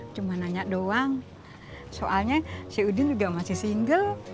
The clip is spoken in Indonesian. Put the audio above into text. cuma nanya doang soalnya si udin juga masih single